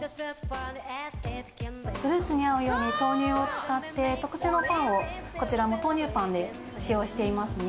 フルーツに合うように豆乳を使って、特注のパンを、こちらも豆乳パンで使用していますね。